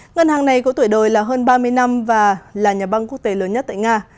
ngân hàng này có tuổi đời là hơn ba mươi năm và là nhà băng quốc tế lớn nhất tại nga